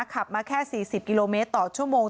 ขับมาแค่๔๐กิโลเมตรต่อชั่วโมง